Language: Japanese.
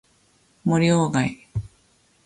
森鴎外